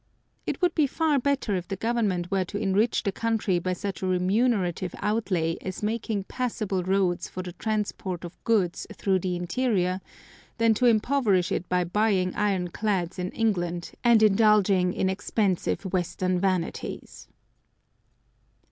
It would be far better if the Government were to enrich the country by such a remunerative outlay as making passable roads for the transport of goods through the interior, than to impoverish it by buying ironclads in England, and indulging in expensive western vanities.